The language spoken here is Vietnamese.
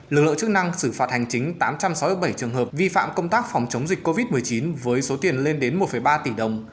lực lượng chức năng xử phạt hành chính tám trăm sáu mươi bảy trường hợp vi phạm công tác phòng chống dịch covid một mươi chín với số tiền lên đến một ba tỷ đồng